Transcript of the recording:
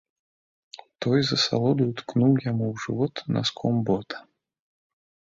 Той з асалодаю ткнуў яму ў жывот наском бота.